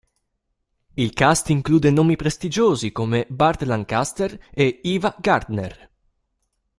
Il cast include nomi prestigiosi come Burt Lancaster e Ava Gardner.